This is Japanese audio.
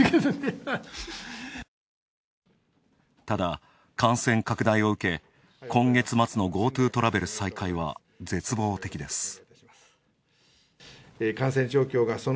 ただ、感染拡大を受け今月末の「ＧｏＴｏトラベル」再開は、絶望的です。